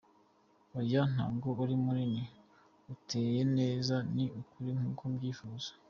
Oya, ntago uri munini , uteye neza ni ukuri nk’uko mbyifuza.